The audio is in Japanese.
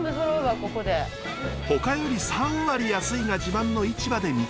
「ほかより３割安い」が自慢の市場で見つけたのは。